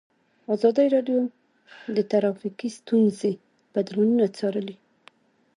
ازادي راډیو د ټرافیکي ستونزې بدلونونه څارلي.